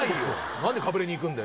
何でかぶれに行くんだよ